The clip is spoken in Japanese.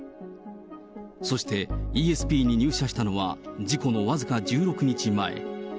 そしてイーエスピーに入社したのは、事故の僅か１６日前。